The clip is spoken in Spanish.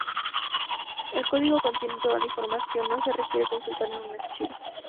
El código contiene toda la información, no se requiere consultar a un archivo.